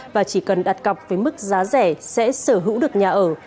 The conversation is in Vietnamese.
và chỉ cần đặt cọc với mức giá rẻ sẽ sở hữu được nhà ở